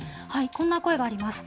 こんな声があります。